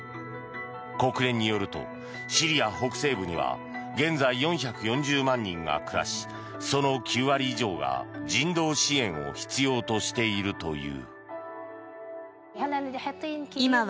国連によるとシリア北西部には現在、４４０万人が暮らしその９割以上が、人道支援を必要としているという。